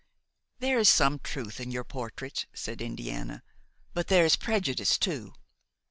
"There is some truth in your portrait," said Indiana, "but there is prejudice too.